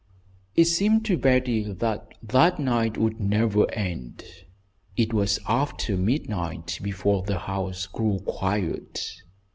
It seemed to Betty that that night would never end. It was after midnight before the house grew quiet.